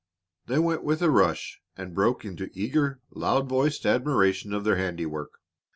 They went with a rush and broke into eager loud voiced admiration of their handiwork.